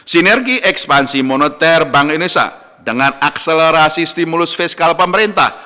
sinergi ekspansi moneter bank indonesia dengan akselerasi stimulus fiskal pemerintah